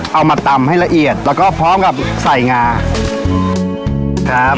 เอามาตำให้ละเอียดแล้วก็พร้อมกับใส่งาครับ